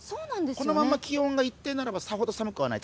このまま気温が一定ならばさほど寒くない。